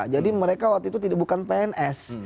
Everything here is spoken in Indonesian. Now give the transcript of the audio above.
jadi mereka waktu itu bukan pns